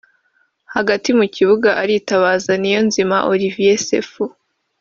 Hagati mu kibuga aritabaza Niyonzima Olivier Sefu